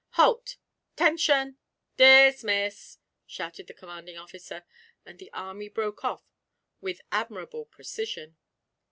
'Halt! 'Tention! Dis miss!' shouted the commanding officer, and the army broke off with admirable precision.